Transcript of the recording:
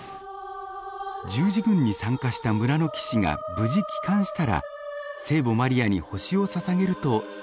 十字軍に参加した村の騎士が無事帰還したら聖母マリアに星をささげると誓いました。